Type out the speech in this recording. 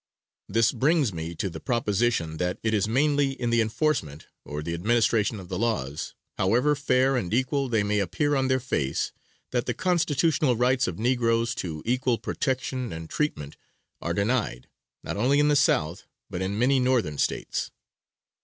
This brings me to the proposition that it is mainly in the enforcement, or the administration of the laws, however fair and equal they may appear on their face, that the constitutional rights of negroes to equal protection and treatment are denied, not only in the South but in many Northern States.